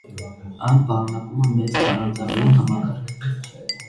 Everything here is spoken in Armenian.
Այն պարունակում է մեծ քարանձավային համակարգ։